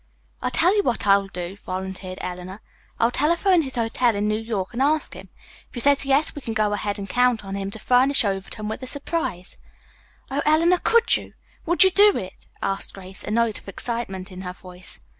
"I'll tell you what I will do," volunteered Eleanor. "I will telephone to his hotel in New York and ask him. If he says yes, we can go ahead and count on him to furnish Overton with a surprise." "Oh, Eleanor, could you, would you do it?" asked Grace, a note of excitement in her voice.